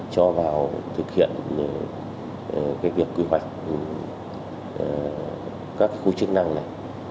cho vào thực hiện việc quy hoạch các khu chức năng này